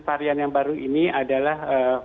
varian yang baru ini adalah